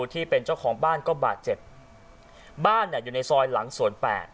ที่เป็นเจ้าของบ้านก็บาดเจ็บบ้านเนี่ยอยู่ในซอยหลังสวนแปด